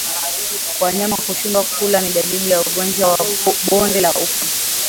Wanyama kushindwa kula ni dalili ya ugonjwa wa bonde la ufa